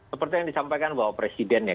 seperti yang disampaikan bapak presiden ya